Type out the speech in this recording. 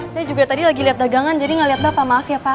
saya juga tadi lagi liat dagangan jadi gak liat bapak maaf ya pak